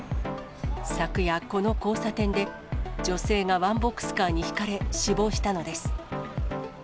昨夜、この交差点で女性がワンボックスカーにひかれ、死亡したのです。